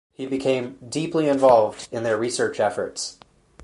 He became "deeply involved" in their research efforts.